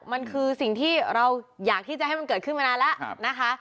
มันคือสิ่งที่เราอยากที่จะให้มันเกิดขึ้นมานานแล้วนะคะ